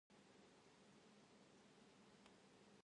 ラジオを聴くことが好きだ